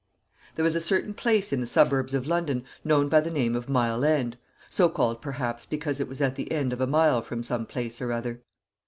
There was a certain place in the suburbs of London known by the name of Mile End so called, perhaps, because it was at the end of a mile from some place or other.